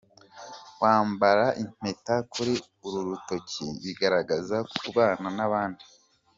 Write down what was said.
Kwambara impeta kuri uru rutoki bigaragaza kubana n’abandi.